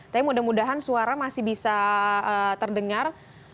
tapi mudah mudahan suara masih bisa terdengar